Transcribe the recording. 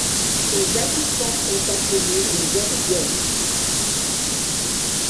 Ses habitants sont appelés les Horguais.